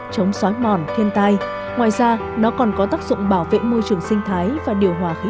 chống xói mòn thiên tai ngoài ra nó còn có tác dụng bảo vệ môi trường sinh thái và điều hòa khí